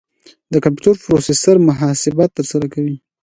د کمپیوټر پروسیسر محاسبات ترسره کوي.